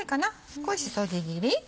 少しそぎ切り。